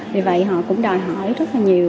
vì vậy họ cũng đòi hỏi rất là nhiều